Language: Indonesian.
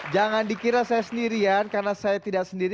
jangan dikira saya sendirian karena saya tidak sendiri